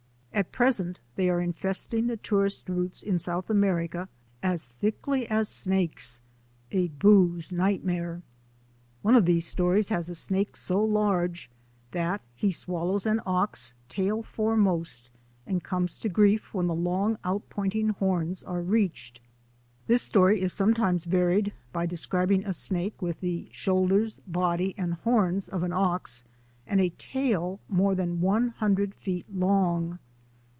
At present they are infesting the tourist routes in South America as thickly as snakes a booze nightmare. One of these stories has a snake so large that he swallows an ox, tail foremost, and comes to grief when the long, out pointing horns are reached. This story is some times varied by describing a snake with the shoul ders, body, and horns of an ox, and a tail more than one hundred feet long.